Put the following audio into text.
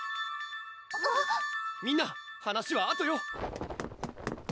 みんな話はあとよ！